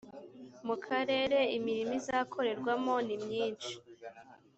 mukarere imirimo izakorerwamo nimyinshi